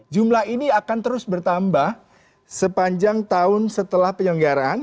jumlah ini akan terus bertambah sepanjang tahun setelah penyelenggaraan